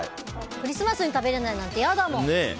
クリスマスに食べられないなんて嫌だもん。